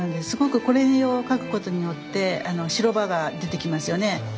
すごくこれを描くことによって白場が出てきますよね。